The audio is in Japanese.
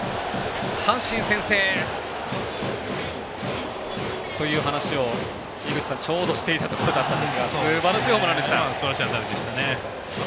阪神、先制！という話を井口さんちょうどしていたところでしたがすばらしいホームランでした。